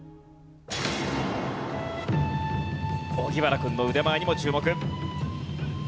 荻原君の腕前にも注目。